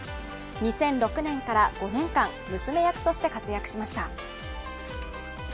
２００６年から５年間、娘役として活躍しました。